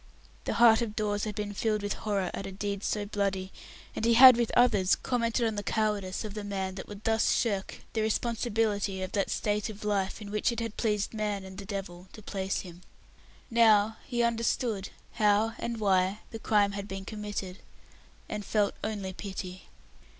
The heart of Dawes had been filled with horror at a deed so bloody, and he had, with others, commented on the cowardice of the man that would thus shirk the responsibility of that state of life in which it had pleased man and the devil to place him. Now he understood how and why the crime had been committed, and felt only pity.